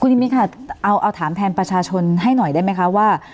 นิมิตรค่ะเอาถามแทนประชาชนให้หน่อยได้ไหมคะว่า